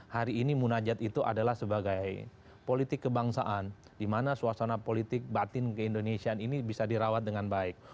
hari ini munajat itu adalah sebagai politik kebangsaan di mana suasana politik batin keindonesiaan ini bisa dirawat dengan baik